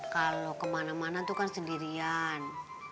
kalo kemana mana tuh kan sendirian